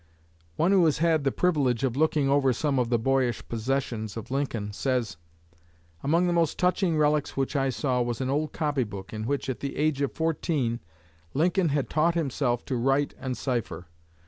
One who has had the privilege of looking over some of the boyish possessions of Lincoln says: "Among the most touching relics which I saw was an old copy book in which, at the age of fourteen, Lincoln had taught himself to write and cipher.